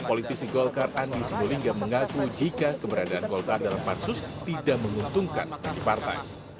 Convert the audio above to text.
politisi golkar andi sibulinga mengaku jika keberadaan golkar dalam pansus tidak menguntungkan antipartai